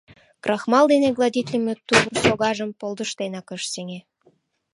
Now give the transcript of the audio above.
Крахмал дене гладитлыме тувыр согажым полдыштенак ыш сеҥе.